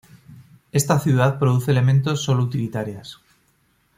Esta ciudad produce elementos sólo utilitarias.